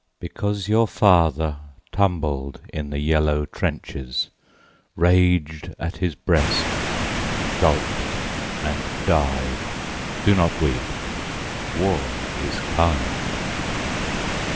Because your father tumbled in the yellow trenches, Raged at his breast, gulped and died, Do not weep. War is kind.